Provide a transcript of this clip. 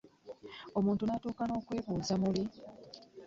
Omuntu n'tuuka okwebuuza muli .